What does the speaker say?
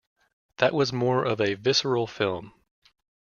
That was more of a visceral film.